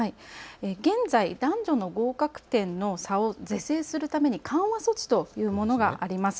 現在、男女の合格点の差を是正するために緩和措置というものがあります。